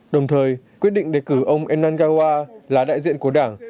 đồng thời quyết định đề cử ông enan gawa là đại diện của đảng